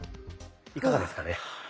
いかがですかね。